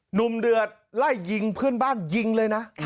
เดือดไล่ยิงเพื่อนบ้านยิงเลยนะ